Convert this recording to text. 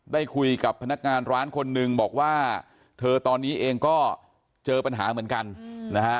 ได้คุยกับพนักงานร้านคนนึงบอกว่าเธอตอนนี้เองก็เจอปัญหาเหมือนกันนะฮะ